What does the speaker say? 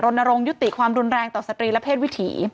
รณรงค์ยุติความรุนแรงต่อสตรีและเพศวิถี